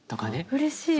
うれしい！